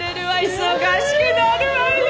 忙しくなるわよ！